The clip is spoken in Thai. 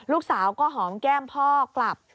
ลูกสาวก็หอมแก้มพ่อกลับ